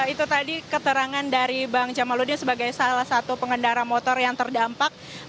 itu tadi keterangan dari bang jamaludin sebagai salah satu pengendara motor yang terdampak